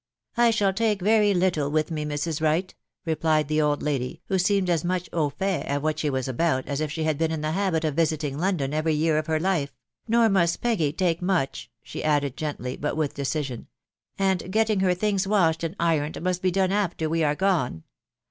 th !^^ teke vei7 tittle with me, Mrs. Wright," replied old lady, who seemed as mucli au fait of what she was ut as if Fhe had been in the habit of visiting London every £^*r of her life; " nor must Peggy take much," she added a 1 ?' ^ut yvi^i decision ;" and getting her things washed kno lr°nec' must he done after we are gone.